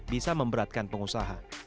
bisa memberatkan pengusaha